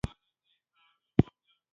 ایا تعویذ مو کړی دی؟